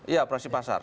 iya operasi pasar